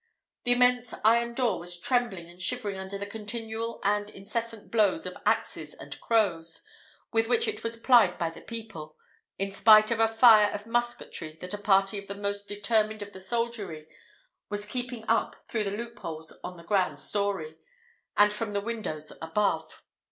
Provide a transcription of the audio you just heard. The immense iron door was trembling and shivering under the continual and incessant blows of axes and crows, with which it was plied by the people, in spite of a fire of musketry that a party of the most determined of the soldiery was keeping up through the loopholes of the ground story, and from the windows above.